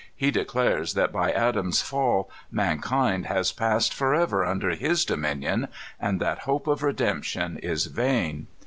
He declares that by Adam's fall mankind has passed forever un der his dominion, and that hope of redemption is vain.